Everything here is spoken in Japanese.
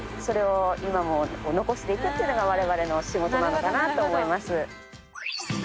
それを今も残していくっていうのが我々の仕事なのかなと思います。